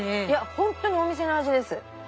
いや本当にお店の味です。